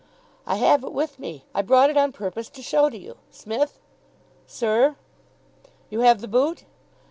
"I have it with me. I brought it on purpose to show to you. Smith!" "Sir?" "You have the boot?"